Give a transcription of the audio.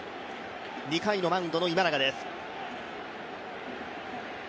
２回のマウンドの今永です。